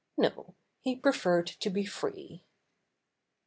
No, he preferred to be free.